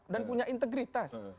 dan punya integritas